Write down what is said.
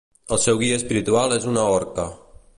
El seu guia espiritual és una orca.